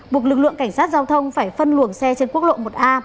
buộc lực lượng cảnh sát giao thông phải phân luồng xe trên quốc lộ một a